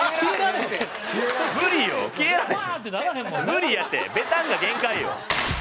無理やてベターンが限界よ。